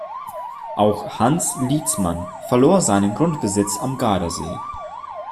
Auch Hans Lietzmann verlor seinen Grundbesitz am Gardasee.